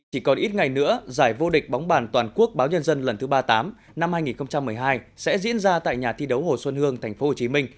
chỉ còn ít ngày nữa giải vô địch bóng bàn toàn quốc báo nhân dân lần thứ ba mươi tám năm hai nghìn một mươi hai sẽ diễn ra tại nhà thi đấu hồ xuân hương tp hcm